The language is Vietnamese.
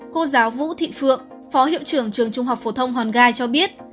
cô giáo vũ thị phượng phó hiệu trưởng trường trung học phổ thông hòn gai cho biết